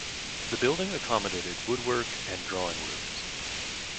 The building accommodated woodwork and drawing rooms.